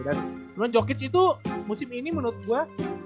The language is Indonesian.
dan cokic itu musim ini menurut gue